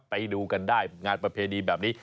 ไปดูกันได้งานประเพณีแบบนี้